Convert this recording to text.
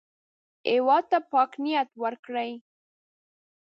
هېواد ته پاک نیت ورکړئ